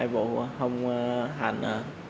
hai vụ không hành